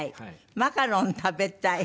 マカロン食べたい。